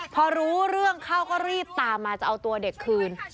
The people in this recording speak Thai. พอรู้เรื่องเข้าก็รีบตามมาจะเอาตัวเด็กคืน